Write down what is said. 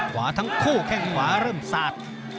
ขวาทั้งคู่แข้งขวาเริ่มสาด